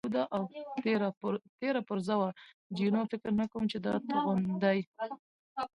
بېخي نابوده او تېره پرزه وه، جینو: فکر نه کوم چې دا توغندي.